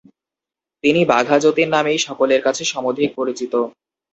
তিনি বাঘা যতীন নামেই সকলের কাছে সমধিক পরিচিত।